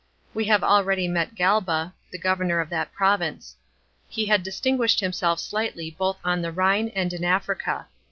We have already met Galba, the governor of that province. He had distinguished himself slightly both on the Rhine and in Africa.